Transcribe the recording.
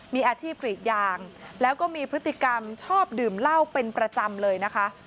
มีอาชีพกรีดยางแล้วก็มีพฤติกรรมชอบดื่มเหล้าเป็นประจำเลยนะคะ